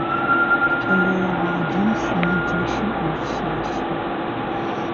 Кӏэлэегъаджэм сымэджэщым ӏоф щешӏэ.